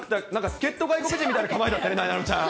助っ人外国人みたいな構えだったね、なえなのちゃん。